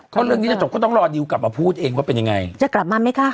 ก็เรื่องนี้จะจบก็ต้องรอดิวกลับมาพูดเองว่าเป็นยังไงจะกลับมาไหมคะ